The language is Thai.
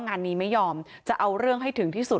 งานนี้ไม่ยอมจะเอาเรื่องให้ถึงที่สุด